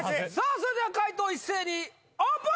それでは解答一斉にオープン・